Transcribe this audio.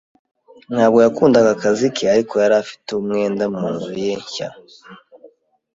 Ntabwo yakundaga akazi ke, ariko yari afite umwenda munzu ye nshya.